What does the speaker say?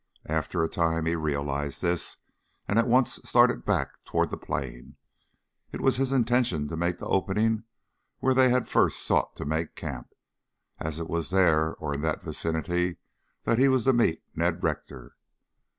After a time he realized this and at once started back toward the plain. It was his intention to make the opening where they had first sought to make camp, as it was there or in that vicinity that he was to meet Ned Rector.